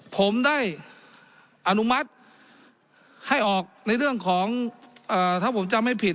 ผมได้อนุมัติให้ออกในเรื่องของถ้าผมจำไม่ผิด